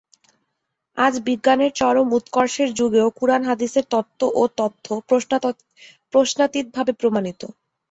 আজ বিজ্ঞানের চরম উৎকর্ষের যুগেও কুরআন-হাদীসের তত্ত্ব ও তথ্য প্রশ্নাতীতভাবে প্রমাণিত।